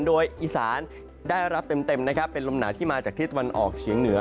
โดยอีสานได้รับเต็มนะครับเป็นลมหนาวที่มาจากทิศตะวันออกเฉียงเหนือ